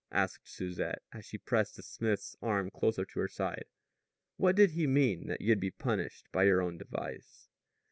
asked Susette as she pressed the smith's arm closer to her side. "What did he mean that you'd be punished by your own device?"